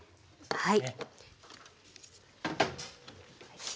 はい。